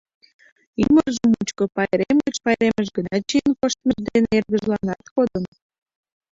Ӱмыржӧ мучко пайрем гыч пайремыш гына чиен коштмыж дене эргыжланат кодын.